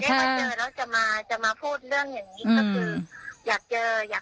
ถ้าไม่ได้มาเจอแล้วจะมาพูดเรื่องอย่างนี้ก็คืออยากเจออยากเจออยากมานั่งคุยกัน